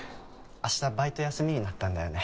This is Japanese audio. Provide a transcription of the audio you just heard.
明日バイト休みになったんだよね